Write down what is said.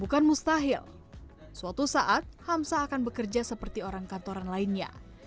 bukan mustahil suatu saat hamsa akan bekerja seperti orang kantoran lainnya